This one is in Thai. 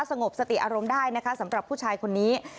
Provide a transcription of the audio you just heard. สงบสติอารมณ์ได้นะคะสำหรับผู้ชายคนนี้